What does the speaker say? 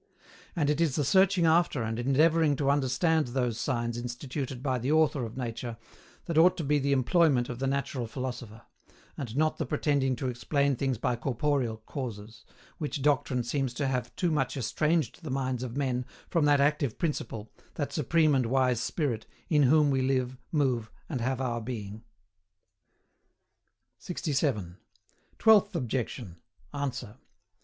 And it is the searching after and endeavouring to understand those signs instituted by the Author of Nature, that ought to be the employment of the natural philosopher; and not the pretending to explain things by corporeal causes, which doctrine seems to have too much estranged the minds of men from that active principle, that supreme and wise Spirit "in whom we live, move, and have our being." 67. TWELFTH OBJECTION. ANSWER.